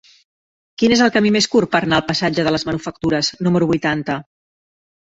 Quin és el camí més curt per anar al passatge de les Manufactures número vuitanta?